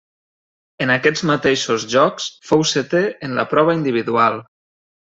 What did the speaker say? En aquests mateixos Jocs fou setè en la prova individual.